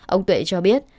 ông tuệ cho biết